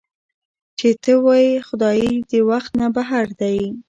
چې تۀ وائې خدائے د وخت نه بهر دے